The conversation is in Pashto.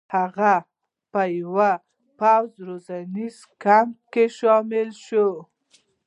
هلته په یوه پوځي روزنیز کمپ کې شامل شو.